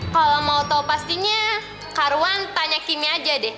kalo mau tau pastinya karuan tanya kimi aja deh